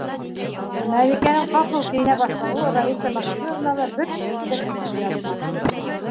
- Мәликәнең ҡапыл кейенә башлауы Раиса Максимовнала бер ниндәй ҙә шик уятманы.